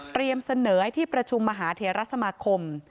เสนอให้ที่ประชุมมหาเทรสมาคม